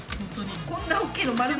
こんな大きいの丸々。